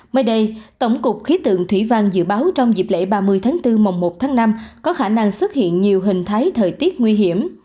mới đây tổng cục khí tượng thủy văn dự báo trong dịp lễ ba mươi tháng bốn mùa một tháng năm có khả năng xuất hiện nhiều hình thái thời tiết nguy hiểm